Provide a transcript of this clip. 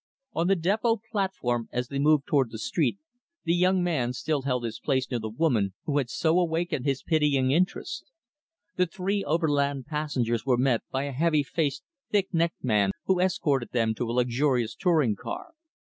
On the depot platform, as they moved toward the street, the young man still held his place near the woman who had so awakened his pitying interest. The three Overland passengers were met by a heavy faced thick necked man who escorted them to a luxurious touring car.